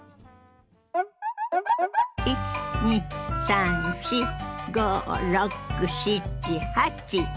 １２３４５６７８。